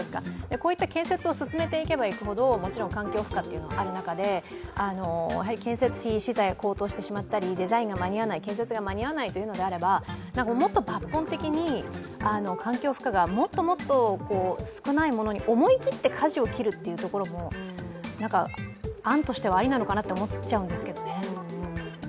こういった建設を進めていけばいくほど環境負荷がある中で、建設資材が高騰してしまったりデザインが間に合わないというのであればもっと抜本的に、環境負荷がもっと少ないものに思い切ってかじを切るというところも案としてはありなのかなと思っちゃうんですけどね。